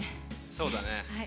そうだね。